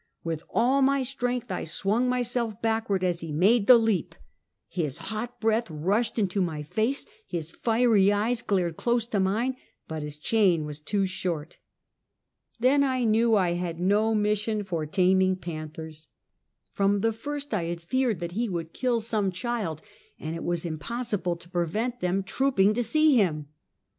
With all my strength I swung myself back ward as he made the leap. His hot breath rushed into my face, his fiery eyes glared close to mine, but his chain was too short. Then I knew I had no mis sion for taming panthers. From the first I had feared that he would kill some child, and it was impossible to prevent them trooping to see him.